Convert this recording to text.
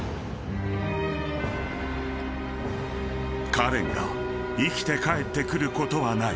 ［カレンが生きて帰ってくることはない］